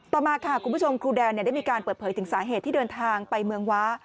ต่อมาค่ะคุณผู้ชมครูแดนได้มีการเปิดเผยถึงสาเหตุที่เดินทางไปเมืองว้า